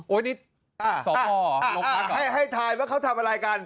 โอ้ยนี่อ่าอ่าอ่าให้ให้ถ่ายว่าเขาทำอะไรกัน